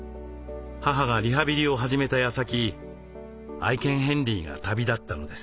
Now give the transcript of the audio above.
母がリハビリを始めたやさき愛犬ヘンリーが旅立ったのです。